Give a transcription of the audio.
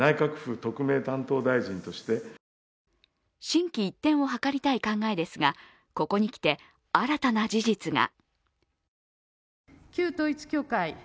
心機一転を図りたい考えですがここに来て新たな事実が。